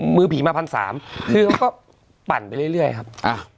มือผีมาพันสามคือเขาก็ปั่นไปเรื่อยครับ